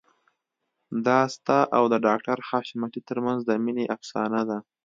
دا ستا او د ډاکټر حشمتي ترمنځ د مينې افسانه ده